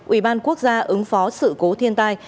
ủy ban quốc gia ứng phó sự cố thiên tai